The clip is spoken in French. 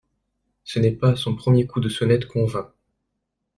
Ce n'est pas à son premier coup de sonnette qu'on vint.